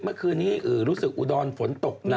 เมื่อคืนนี้รู้สึกอุดรฝนตกนะ